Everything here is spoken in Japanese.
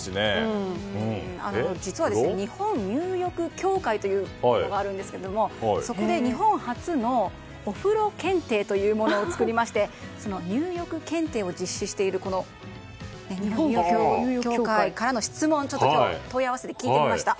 実は日本入浴協会というのがあるんですけれどもそこで日本初のお風呂検定というものを作りましてその入浴検定を実施しているこの日本入浴協会からの質問の問い合わせに聞いてみました。